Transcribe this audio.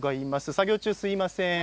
作業中すみません。